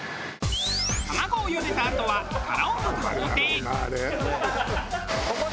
卵を茹でたあとは殻をむく工程へ。